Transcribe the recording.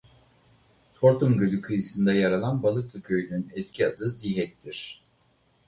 Tortum Gölü kıyısında yer alan Balıklı köyünün eski adı Zihek'tir.